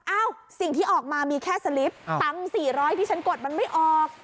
อ้าวสิ่งที่ออกมามีแค่สลิปตังค์๔๐๐ที่ฉันกดมันไม่ออก